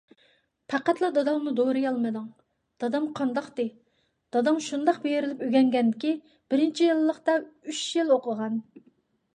_ پەقەتلا داداڭنى دورىيالمىدىڭ؟ _ دادام قانداقتى؟ _ داداڭ شۇنداق بېرىلىپ ئۆگەنگەنكى، بىرىنچى يىللىقتا ئۈچ يىل ئوقۇغان.